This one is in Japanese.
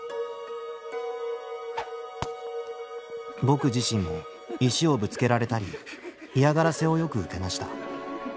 僕自身も石をぶつけられたり嫌がらせをよく受けました。